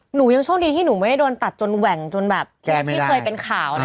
หนูยังโชคดีที่หนูไม่ได้โดนตัดจนแหว่งจนแบบที่เคยเป็นข่าวนะ